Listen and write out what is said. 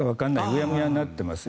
うやむやになっています。